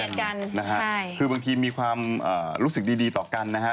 เพราะบางทีมีความรู้สึกดีต่อกันนะคะ